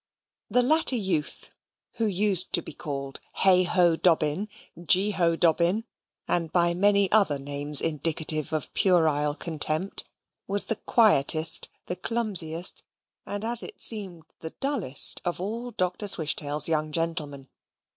The latter Youth (who used to be called Heigh ho Dobbin, Gee ho Dobbin, and by many other names indicative of puerile contempt) was the quietest, the clumsiest, and, as it seemed, the dullest of all Dr. Swishtail's young gentlemen.